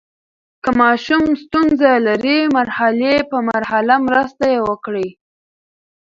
که ماشوم ستونزه لري، مرحلې په مرحله مرسته یې وکړئ.